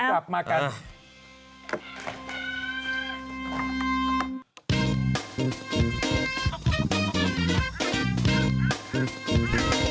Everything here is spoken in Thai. กลับมากัน